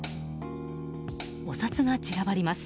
お札が散らばります。